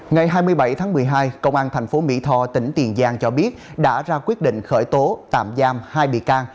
ngày hai mươi bảy tháng một mươi hai công an thành phố mỹ tho tỉnh tiền giang cho biết đã ra quyết định khởi tố tạm giam hai bị can